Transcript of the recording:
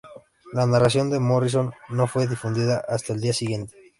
La narración de Morrison no fue difundida hasta el día siguiente.